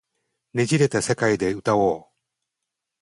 捻れた世界で歌おう